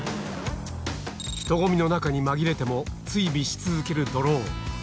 人混みの中に紛れても追尾し続けるドローン。